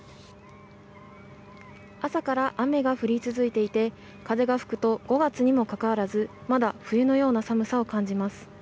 朝から雨が降り続いていて風が吹くと５月にもかかわらずまだ冬のような寒さを感じます。